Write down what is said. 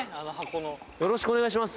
よろしくお願いします。